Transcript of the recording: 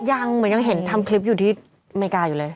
เหมือนยังเห็นทำคลิปอยู่ที่อเมริกาอยู่เลย